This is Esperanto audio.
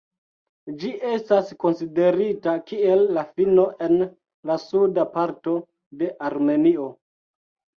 Ĝi estas konsiderita kiel la fino en la suda parto de Armenio.